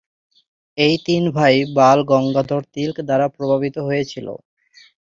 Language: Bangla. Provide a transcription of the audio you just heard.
এই তিন ভাই বাল গঙ্গাধর তিলক দ্বারা প্রভাবিত হয়েছিল।